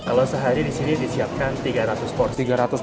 kalau sehari disini disiapkan tiga ratus porsi